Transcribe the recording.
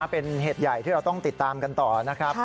เป็นเหตุใหญ่ที่เราต้องติดตามกันต่อนะครับ